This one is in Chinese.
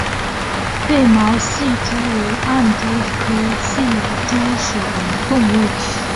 被毛隙蛛为暗蛛科隙蛛属的动物。